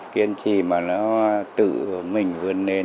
kiên trì mà nó tự mình vươn lên rồi nó tập luyện